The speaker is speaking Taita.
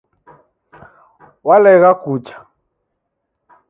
Walegha kucha